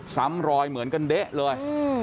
ซ้ำรอยเหมือนกันเด๊ะเลย